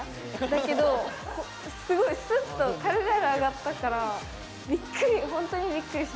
だけど、すごいすっと軽々上がったからびっくり。